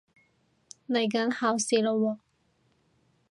嚟緊考試喇喎